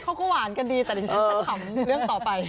เขาก็หวานกันดีแต่เดี๋ยวฉันจะขำเรื่องต่อไป